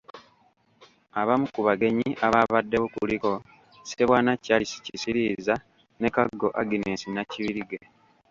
Abamu ku bagenyi abaabaddewo kuliko; Ssebwana Charles Kisiriiza ne Kaggo Agnes Nakibirige.